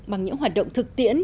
bằng những hoạt động thực tiễn